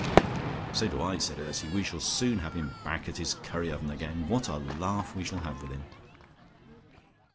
"So do I," said Ursy. "We shall soon have him back at his curry oven again. What a laugh we shall have with him."